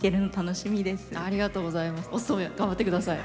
お勤め頑張ってください。